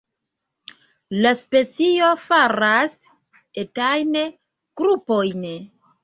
La specio faras etajn grupojn.